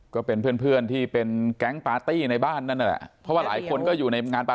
ก็เป็นเพื่อนที่เป็นแก๊งปาร์ตี้ในบ้านนั่นแหละ